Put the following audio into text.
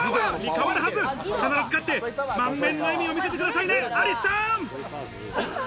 必ず勝って、満面の笑みを見せてくださいね、アリスさん！